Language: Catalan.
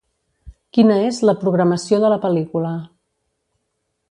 Quina és la programació de la pel·lícula